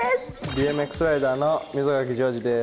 ＢＭＸライダーの溝垣丈司です。